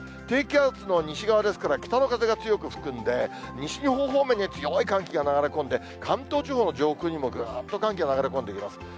低気圧の西側ですから、北の風が強く吹くんで、西日本方面に強い寒気が流れ込んで、関東地方の上空にもぐっと寒気が流れ込んでいきます。